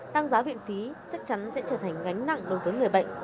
tăng giá viện phí chắc chắn sẽ trở thành gánh nặng đối với người bệnh